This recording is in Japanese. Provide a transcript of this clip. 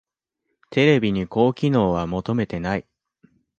テレビに高機能は求めてない